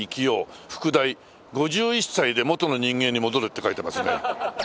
副題５１歳で元の人間に戻れって書いてますね。